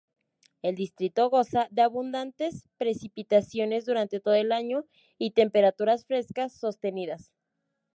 El Distrito goza de abundantes precipitaciones durante todo el año y temperaturas frescas sostenidas.